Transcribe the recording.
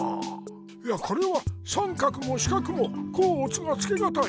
いやこれはさんかくもしかくもこうおつがつけがたい。